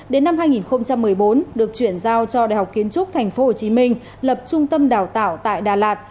đến năm hai nghìn một mươi bốn được chuyển giao cho đại học kiến trúc tp hcm lập trung tâm đào tạo tại đà lạt